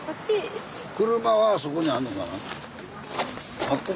車はそこにあんのかな？